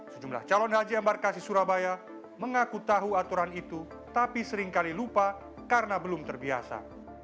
sejumlah calon haji embarkasi surabaya mengaku tahu aturan itu tapi seringkali lupa karena belum terbiasa